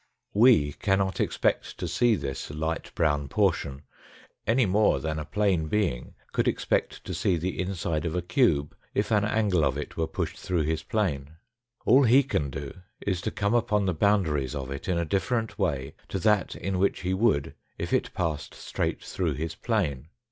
We cannot expect to see this light brown portion, any more than a plane being could expect to see the inside of a cube if an angle of it were pushed through his plane. All he can do is to come upon the boundaries of it in a different way to that in which he would if it passed straight through his plane.